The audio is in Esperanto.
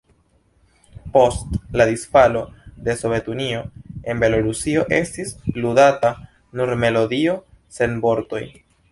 Post la disfalo de Sovetunio en Belorusio estis ludata nur melodio, sen vortoj.